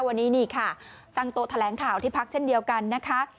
วันนี้นี่ค่ะตั้งโต๊ะแถลงข่าวที่พักเช่นเดียวกันนะคะ